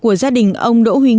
của gia đình ông đỗ huy nhân